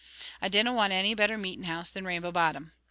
I dinna want any better meetin' house than Rainbow Bottom.